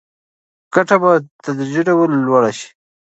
ګټه به په تدریجي ډول لوړه شي.